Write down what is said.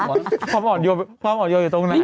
ความอ่อนโยมความอ่อนโยนอยู่ตรงไหน